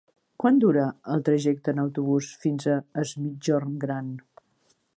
Quant dura el trajecte en autobús fins a Es Migjorn Gran?